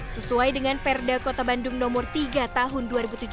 sesuai dengan perda kota bandung no tiga tahun dua ribu tujuh belas